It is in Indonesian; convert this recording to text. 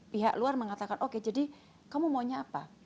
pihak luar mengatakan oke jadi kamu maunya apa